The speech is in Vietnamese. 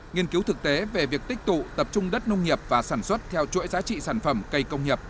nghiên cứu thực tế về việc tích tụ tập trung đất nông nghiệp và sản xuất theo chuỗi giá trị sản phẩm cây công nghiệp